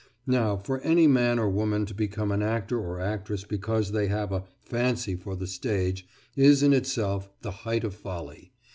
Now, for any man or woman to become an actor or actress because they have a "fancy for the stage" is in itself the height of folly.